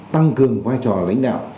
tăng cường vai trò lãnh đạo